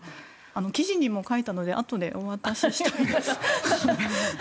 記事にも書いたのであとでお渡ししておきます。